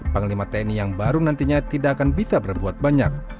panglima tni yang baru nantinya tidak akan bisa berbuat banyak